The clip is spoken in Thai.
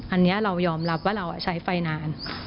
อันนี้เรายอมรับว่าเราใช้ไฟนาน